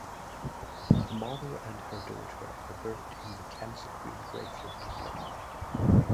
The mother and her daughter are buried in the Kensal Green graveyard in London.